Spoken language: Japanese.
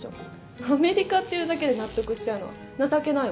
アメリカっていうだけで納得しちゃうのは情けないわ。